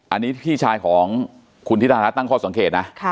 อันนี้พี่ชายของคุณธิดารัฐตั้งข้อสังเกตนะ